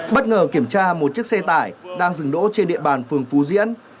bất ngờ kiểm tra một chiếc xe tải đang dừng đỗ trên địa bàn phường phú diễn